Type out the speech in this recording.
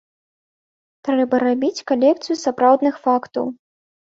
Трэба рабіць калекцыю сапраўдных фактаў.